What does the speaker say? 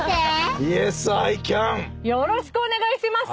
よろしくお願いします。